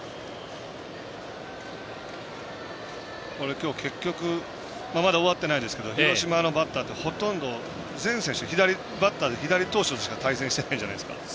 今日、結局まだ終わってないですけど広島のバッターってほとんど全選手、左バッターで左投手としか対戦してないじゃないですか。